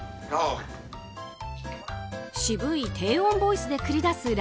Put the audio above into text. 渋い低音ボイスで繰り出す